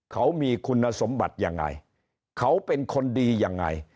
เขามีคุณสมบัติยังไงเขาเป็นคนดียังไง